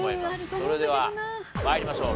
それでは参りましょう。